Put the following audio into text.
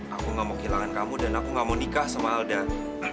aku gak mau kehilangan kamu dan aku gak mau nikah sama aldan